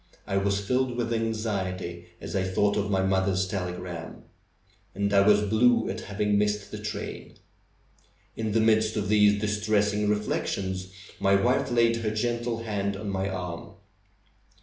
I was filled with anxiety as I thought of my mother's telegram. And I was blue at having missed the train. In the midst of these distressing reflections my wife laid her gentle hand on my arm.